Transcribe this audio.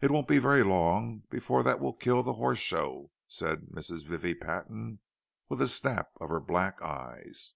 "It won't be very long before that will kill the Horse Show," said Mrs. Vivie Patton, with a snap of her black eyes.